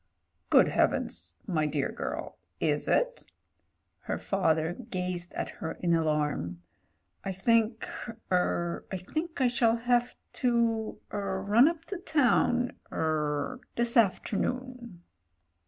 "Good Heavens ! my dear girl — ^is it ?" Her father gazed at her in alarm. "I think — er — I think I shall have to— er — ^run up to Town— €r — ^this afternoon."